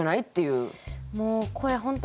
もうこれ本当